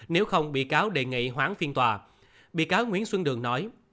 nếu không bị cáo đề nghị hoãn phiên tòa bị cáo nguyễn xuân đường nói